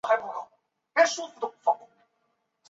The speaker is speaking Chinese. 现在称为警察大厦公寓。